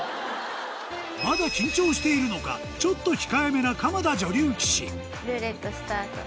まだ緊張しているのかちょっと控えめな鎌田女流棋士ルーレットスタート！